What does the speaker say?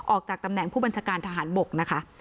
ออกจากตำแหน่งผู้บัญชาการทหารบกนะคะ